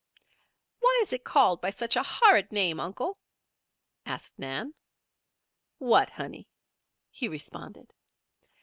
"Why is it called by such a horrid name, Uncle?" asked Nan. "What, honey?" he responded.